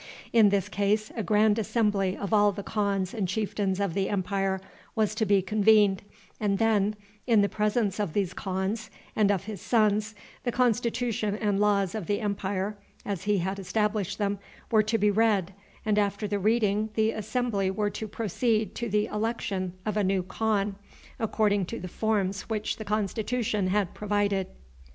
In this case a grand assembly of all the khans and chieftains of the empire was to be convened, and then, in the presence of these khans and of his sons, the constitution and laws of the empire, as he had established them, were to be read, and after the reading the assembly were to proceed to the election of a new khan, according to the forms which the constitution had provided.